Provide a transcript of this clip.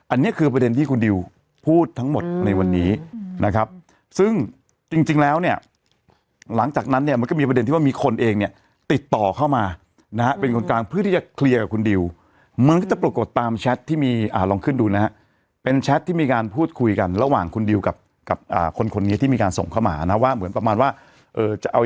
อันนี้คือประเด็นที่คุณดิวพูดทั้งหมดในวันนี้นะครับซึ่งจริงแล้วเนี่ยหลังจากนั้นเนี่ยมันก็มีประเด็นที่ว่ามีคนเองเนี่ยติดต่อเข้ามานะฮะเป็นคนกลางเพื่อที่จะเคลียร์กับคุณดิวมันก็จะปรากฏตามแชทที่มีลองขึ้นดูนะฮะเป็นแชทที่มีการพูดคุยกันระหว่างคุณดิวกับกับคนคนนี้ที่มีการส่งเข้ามานะว่าเหมือนประมาณว่าจะเอา